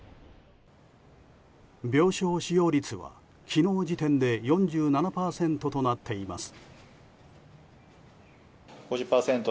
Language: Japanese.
病床使用率は昨日時点で４７％となっています。